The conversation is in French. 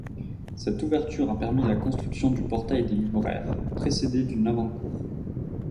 Cette ouverture a permis la construction du portail des Libraires, précédé d'une avant-cour.